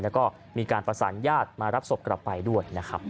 แล้วก็มีการประสานญาติมารับศพกลับไปด้วยนะครับ